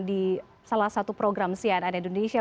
di salah satu program cnn indonesia